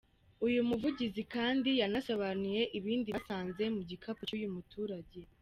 Uyu muvugizi kandi yanasobanuye ibindi basanze mu gikapu cy’uyu muturage.